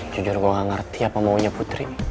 jujur gue gak ngerti apa maunya putri